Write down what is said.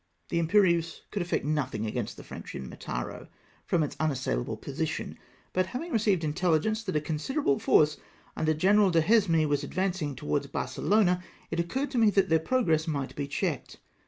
The Imperieuse could effect nothing against the French in Mataro, from its unassailable position, but liavino; received inteUigence that a considerable force under General Duhesme was advancing towards Barce lona, it occurred to me that their progress might be checked.